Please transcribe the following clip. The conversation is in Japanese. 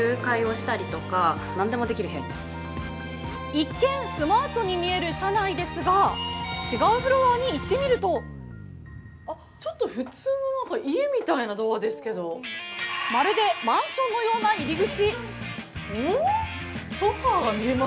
一見、スマートに見える社内ですが違うフロアに行ってみるとまるでマンションのような入り口。